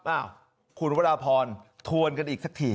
อ้าวคุณวราพรทวนกันอีกสักที